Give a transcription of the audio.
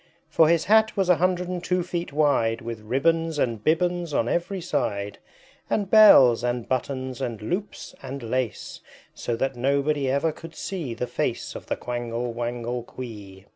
For his Hat was a hundred and two feet wide, With ribbons and bibbons on every side, And bells, and buttons, and loops, and lace, So that nobody ever could see the face Of the Quangle Wangle Quee.